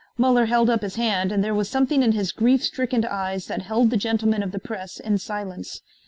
Muller held up his hand and there was something in his grief stricken eyes that held the gentlemen of the press in silence.